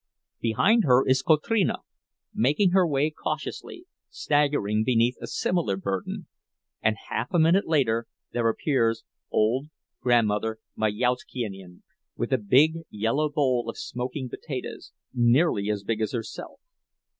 Behind her is Kotrina, making her way cautiously, staggering beneath a similar burden; and half a minute later there appears old Grandmother Majauszkiene, with a big yellow bowl of smoking potatoes, nearly as big as herself.